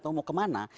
tahu mau kemana